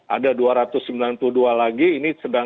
ada dua ratus sembilan puluh dua lagi ini sedang